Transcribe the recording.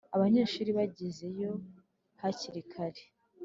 abanyeshuri bagezeyo hakiri kare